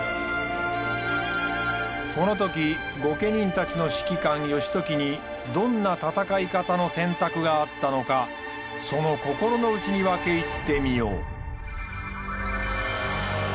この時御家人たちの指揮官義時にどんな戦い方の選択があったのかその心のうちに分け入ってみよう。